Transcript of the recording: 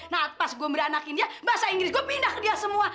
nah pas gua beranakin dia bahasa inggris gua pindah ke dia semua